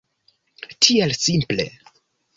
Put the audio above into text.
Tiel simple.